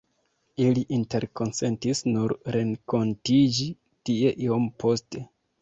Ili interkonsentis nur renkontiĝi tie iom poste.